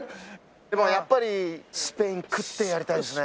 でもやっぱりスペイン食ってやりたいですね。